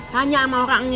tanya sama orangnya